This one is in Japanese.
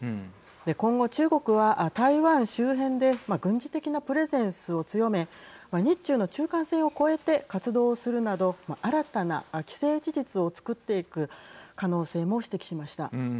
今後、中国は台湾周辺で軍事的なプレゼンスを強め日中の中間線を越えて活動するなど新たな既成事実をつくっていく可能性も指摘しました。